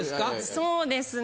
そうですね